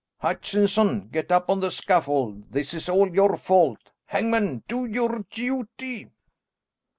Hutchinson, get up on the scaffold; this is all your fault. Hangman, do your duty."